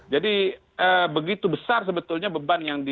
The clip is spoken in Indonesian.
jadi begitu besar sebetulnya beban yang terjadi